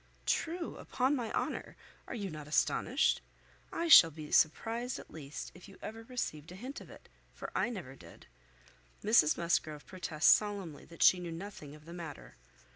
True, upon my honour! Are not you astonished? I shall be surprised at least if you ever received a hint of it, for I never did. Mrs Musgrove protests solemnly that she knew nothing of the matter.